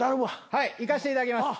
はいいかしていただきます。